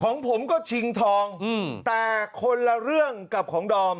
ของผมก็ชิงทองแต่คนละเรื่องกับของดอม